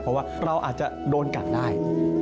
เพราะว่าเราอาจจะโดนกัดได้